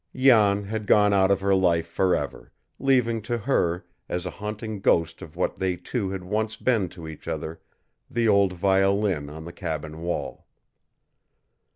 Jan had gone out of her life for ever, leaving to her, as a haunting ghost of what they two had once been to each other, the old violin on the cabin wall.